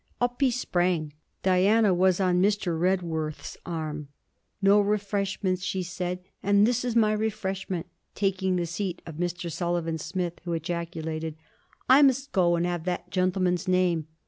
Up he sprang. Diana was on Mr. Redworth's arm. 'No refreshments,' she said; and 'this is my refreshment,' taking the seat of Mr. Sullivan Smith, who ejaculated, 'I must go and have that gentleman's name.'